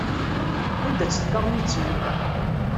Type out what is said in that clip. Anda-tt tkarnit-nni?